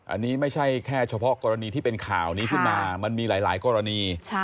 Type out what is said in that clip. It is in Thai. อันนี้ไม่ใช่แค่เฉพาะกรณีที่เป็นข่าวนี้ขึ้นมามันมีหลายกรณี